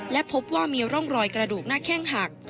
และพบว่ามีร่องรอยกระดูกหน้าแข้งหัก